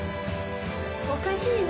おかしいね